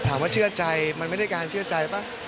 ถามว่าเชื่อใจมันไม่ได้การเชื่อใจป่ะ